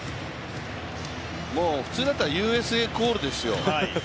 普通だったらＵＳＡコールですよ。